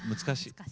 難しい。